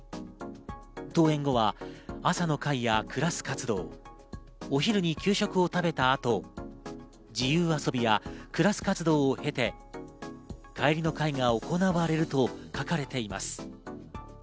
登園後は朝の会やクラス活動、お昼に給食を食べた後、自由あそびやクラス活動を経て、帰りの会が行われると書かれています。